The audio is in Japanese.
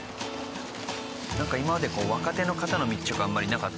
なんか今まで若手の方の密着あんまりなかったですね。